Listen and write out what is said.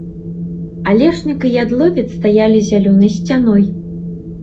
Алешнік і ядловец стаялі зялёнай сцяной.